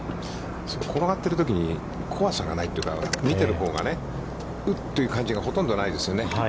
転がっているときに怖さがないというか、見てるほうがね、うっという感じがほとんどないですよね。